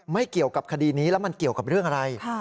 เกี่ยวกับคดีนี้แล้วมันเกี่ยวกับเรื่องอะไร